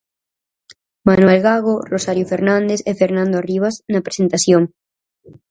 Manuel Gago, Rosario Fernández e Fernando Arribas, na presentación.